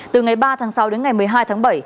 từ ngày ba tháng sáu đến ngày một mươi hai tháng bảy